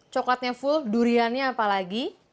coklatnya full duriannya apalagi